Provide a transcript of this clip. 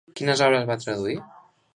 Quines obres va traduir?